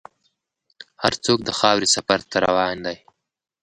هر څوک د خاورې سفر ته روان دی.